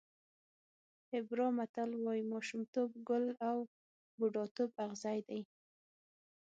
هېبرا متل وایي ماشومتوب ګل او بوډاتوب اغزی دی.